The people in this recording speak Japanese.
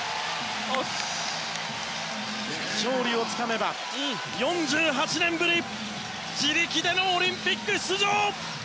勝利をつかめば４８年ぶり自力でのオリンピック出場！